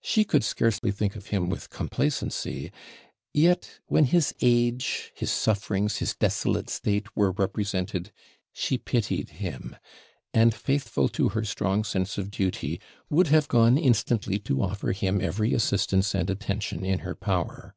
She could scarcely think of him with complaisancy; yet, when his age, his sufferings, his desolate state, were represented, she pitied him; and, faithful to her strong sense of duty, would have gone instantly to offer him every assistance and attention in her power.